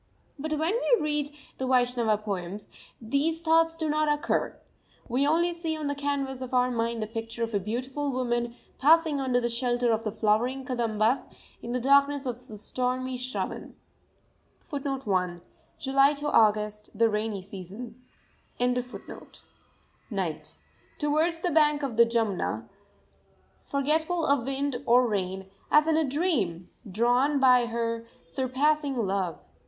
But when we read the Vaishnava poems, these thoughts do not occur. We only see on the canvas of our mind the picture of a beautiful woman, passing under the shelter of the flowering kadambas in the darkness of a stormy Shravan night, towards the bank of the Jumna, forgetful of wind or rain, as in a dream, drawn by her surpassing love.